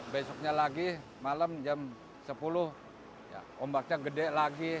besoknya lagi malam jam sepuluh ombaknya gede lagi